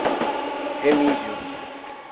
Remígio